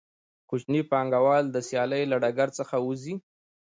کوچني پانګوال د سیالۍ له ډګر څخه وځي